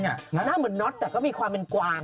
หน้าเหมือนน็อตแต่ก็มีความเป็นกวาง